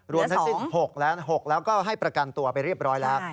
ทั้งสิ้น๖๖๐๐แล้วก็ให้ประกันตัวไปเรียบร้อยแล้ว